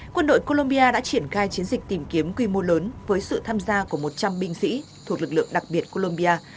quân đội colombia đã triển khai chiến dịch tìm kiếm quy mô lớn với sự tham gia của một trăm linh binh sĩ thuộc lực lượng đặc biệt colombia